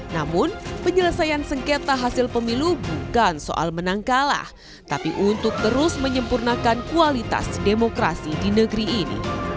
namun penyelesaian sengketa hasil pemilu bukan soal menang kalah tapi untuk terus menyempurnakan kualitas demokrasi di negeri ini